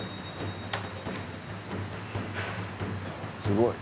すごい。